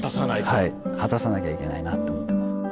はい果たさなきゃいけないなって思ってます。